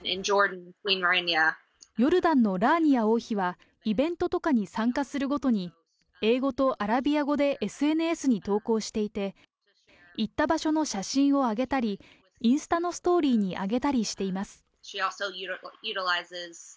ヨルダンのラーニア王妃は、イベントとかに参加するごとに、英語とアラビア語でＳＮＳに投稿していて、行った場所の写真を上げたり、インスタのストーリーに上げたりしています。